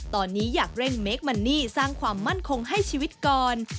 ตอนนี้อยากเร่งเมคมันนี่สร้างความมั่นคงให้ชีวิตก่อน